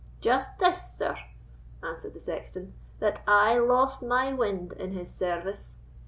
"Just this, sir," answered the sexton, "that I lost my wind in his service.